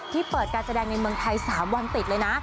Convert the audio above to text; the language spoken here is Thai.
เปิดการแสดงในเมืองไทย๓วันติดเลยนะ